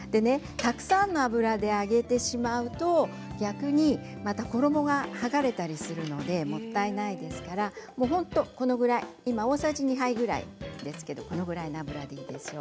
たくさんの油で揚げてしまうと逆に衣が剥がれてしまってもったいないですから大さじ２杯ぐらいですけれどこのぐらいの油でいいですよ。